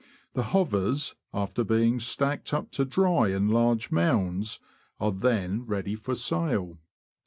The hovers, after being stacked up to dry in large mounds, are then ready for sale.